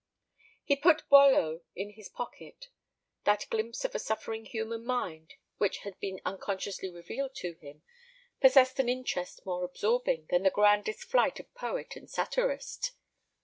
He put Boileau into his pocket. That glimpse of a suffering human mind, which had been unconsciously revealed to him, possessed an interest more absorbing than the grandest flight of poet and satirist.